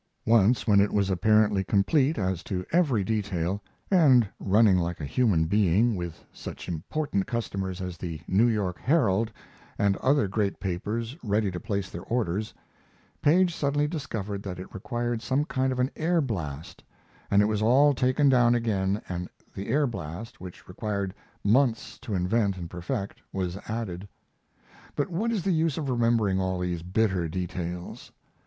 Once, when it was apparently complete as to every detail; and running like a human thing, with such important customers as the New York Herald and other great papers ready to place their orders, Paige suddenly discovered that it required some kind of an air blast, and it was all taken down again and the air blast, which required months to invent and perfect, was added. But what is the use of remembering all these bitter details?